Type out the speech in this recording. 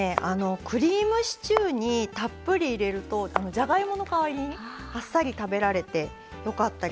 クリームシチューにたっぷり入れるとじゃがいもの代わりにあっさり食べられてよかったり